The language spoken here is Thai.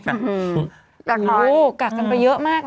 กัดกันไปเยอะมากนะ